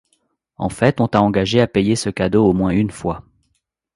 En fait on t'a engagé à payer ce cadeau au moins une fois.